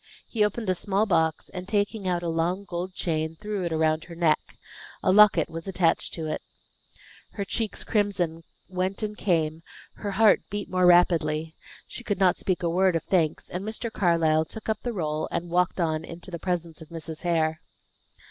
He opened a small box, and taking out a long, gold chain, threw it around her neck. A locket was attached to it. Her cheeks' crimson went and came; her heart beat more rapidly. She could not speak a word of thanks; and Mr. Carlyle took up the roll, and walked on into the presence of Mrs. Hare.